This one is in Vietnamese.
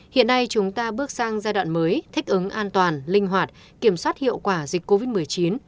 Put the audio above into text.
hiện nay chúng ta bước sang giai đoạn mới thích ứng an toàn linh hoạt kiểm soát hiệu quả dịch covid một mươi chín